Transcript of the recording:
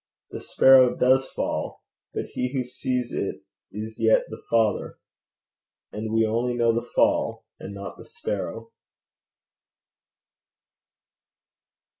The sparrow does fall but he who sees it is yet the Father. And we know only the fall, and not the sparrow.